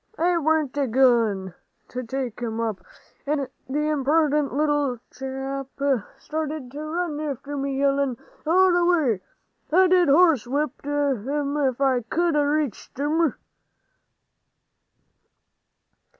"I warn't a goin' to take him up; and then the imperdent little chap started to run after me, a yellin' all the way. I'd a horsewhipped him if I c'd 'a' reached him."